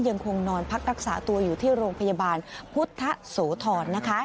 ยังคงนอนพักรักษาตัวอยู่ที่โรงพยาบาลพุทธโสธรนะคะ